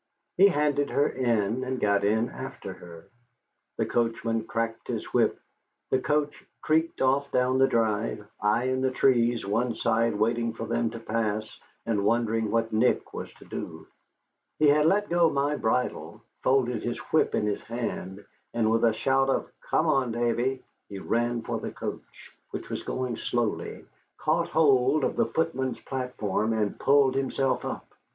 He handed her in, and got in after her. The coachman cracked his whip, the coach creaked off down the drive, I in the trees one side waiting for them to pass, and wondering what Nick was to do. He had let go my bridle, folded his whip in his hand, and with a shout of "Come on, Davy," he ran for the coach, which was going slowly, caught hold of the footman's platform, and pulled himself up.